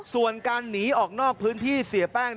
ส่วนการหนีออกนอกพื้นที่เสียแป้ง